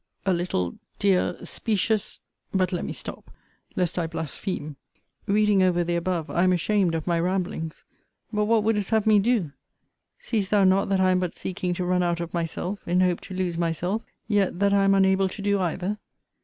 A little, dear, specious but let me stop lest I blaspheme! Reading over the above, I am ashamed of my ramblings; but what wouldest have me do? Seest thou not that I am but seeking to run out of myself, in hope to lose myself; yet, that I am unable to do either?